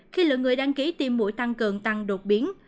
khi lượng người đăng ký tiêm mũi tăng cường tăng đột biến